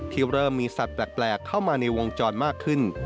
เริ่มมีสัตว์แปลกเข้ามาในวงจรมากขึ้น